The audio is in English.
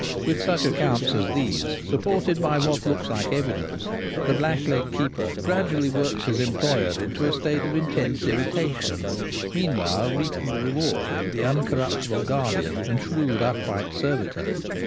With such ac counts as these, supported by what looks like evidence, Pheasants Mysteriously Disappear. 209 the blackleg keeper gradually works his employer into a state of intense irritation, meantime reaping the reward of the incorruptible guardian and shrewd upright servitor.